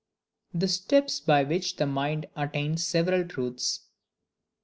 The Steps by which the Mind attains several Truths.